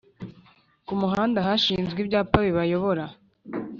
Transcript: Kumuhanda hashinzwe ibyapa bibayobora